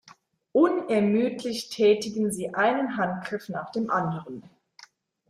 Unermüdlich tätigen sie einen Handgriff nach dem anderen.